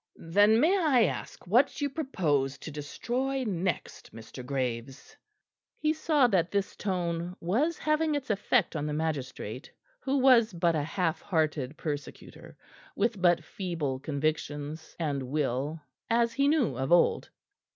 "Then may I ask what you propose to destroy next, Mr. Graves?" He saw that this tone was having its effect on the magistrate, who was but a half hearted persecutor, with but feeble convictions and will, as he knew of old.